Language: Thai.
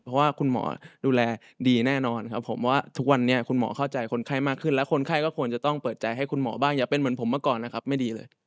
เพราะว่าคุณหมอดูแลดีแน่นอนครับผมว่าทุกวันนี้คุณหมอเข้าใจคนไข้มากขึ้นและคนไข้ก็ควรจะต้องเปิดใจให้คุณหมอบ้างอย่าเป็นเหมือนผมมาก่อนนะครับไม่ดีเลย